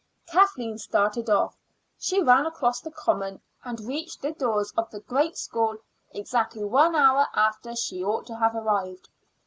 Kathleen started off. She ran across the common, and reached the doors of the great school exactly one hour after she ought to have arrived.